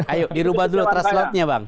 ayo dirubah dulu traslatnya bang